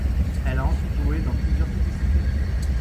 Elle a ensuite joué dans plusieurs publicités.